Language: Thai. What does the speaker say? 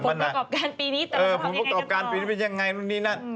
สัมมนาผมกรบการปีนี้มันประสบประวัติว์ยังไง